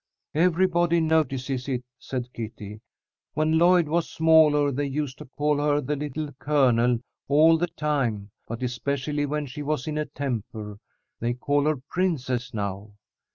"Everybody notices it," said Kitty. "When Lloyd was smaller, they used to call her the Little Colonel all the time, but especially when she was in a temper. They call her Princess now."